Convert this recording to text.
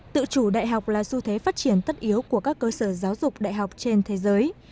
tự chủ đại học là xu thế phát triển tất yếu của các cơ sở giáo dục đại học trên thế giới